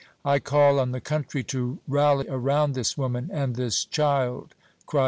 "I call on the country to rally around this woman and this child," cried M.